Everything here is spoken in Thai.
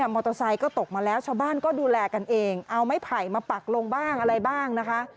มอเตอร์ไซค์ก็ตกมาแล้วชาวบ้านก็ดูแลกันเองเอาไม้ไผ่มาปักลงบ้างอะไรบ้างนะคะ